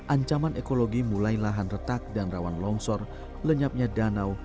ancaman ekologi mulai lahan retak dan rawan longsor lenyapnya danau